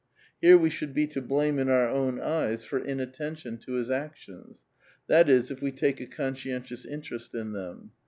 Here we should be to blame in our own eyes for inattention to his actions ; that is, if we take a conscientious interest in them.